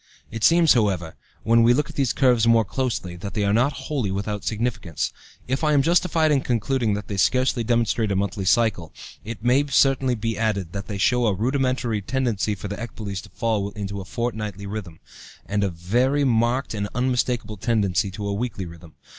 It seems, however, when we look at these curves more closely, that they are not wholly without significance. If I am justified in concluding that they scarcely demonstrate a monthly cycle, it may certainly be added that they show a rudimentary tendency for the ecboles to fall into a fortnightly rhythm, and a very marked and unmistakable tendency to a weekly rhythm.